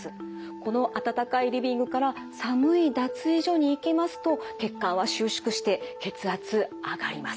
この暖かいリビングから寒い脱衣所に行きますと血管は収縮して血圧上がります。